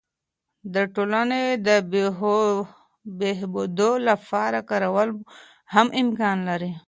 د ټولني د بهبود لپاره کارول هم امکان لري.